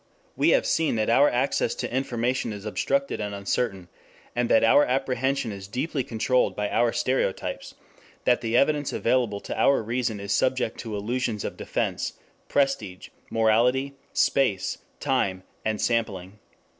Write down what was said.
We have seen that our access to information is obstructed and uncertain, and that our apprehension is deeply controlled by our stereotypes; that the evidence available to our reason is subject to illusions of defense, prestige, morality, space, time, and sampling.